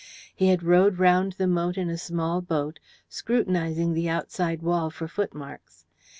He had rowed round the moat in a small boat, scrutinizing the outside wall for footmarks.